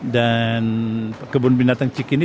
dan kebun binatang cik ini